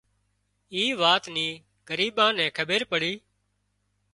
اي وات نِي ڳريٻان نين کٻير پڙي